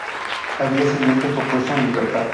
Al día siguiente fue puesto en libertad.